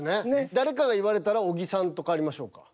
誰かが言われたら小木さんと替わりましょうか。